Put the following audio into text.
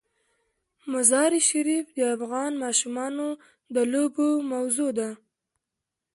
مزارشریف د افغان ماشومانو د لوبو موضوع ده.